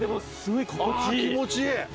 あぁ気持ちいい。